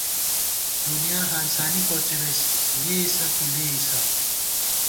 دُنیا ہانسانی کوڅِمېس ، لېئیسہ تُو لېئیسہ